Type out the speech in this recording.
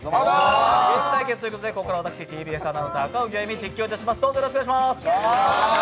ゲーム対決ということでここから私、ＴＢＳアナウンサー・赤荻歩、実況いたします。